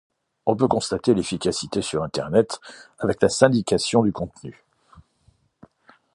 On peut en constater l'efficacité sur Internet avec la syndication de contenu.